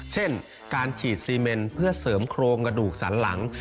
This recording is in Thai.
เช่นการฉีดซีเมนเพื่อเสริมโครงกระดูกสันหลัง